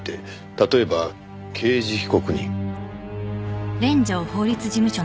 例えば刑事被告人。